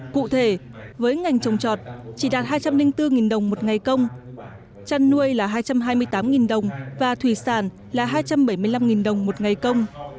cụ thể với ngành trồng trọt chỉ đạt hai trăm linh bốn đồng một ngày công chăn nuôi là hai trăm hai mươi tám đồng và thủy sản là hai trăm bảy mươi năm đồng một ngày công